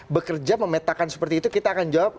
bekerja memetakan seperti itu kita akan jawab